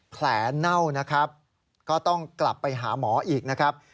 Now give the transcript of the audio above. เน่านะครับก็ต้องกลับไปหาหมออีกนะครับ